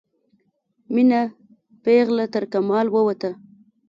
میینه پیغله ترکمال ووته